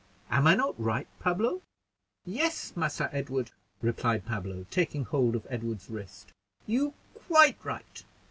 Am I not right, Pablo?" "Yes, Massa Edward," replied Pablo, taking hold of Edward's wrist, "you quite right.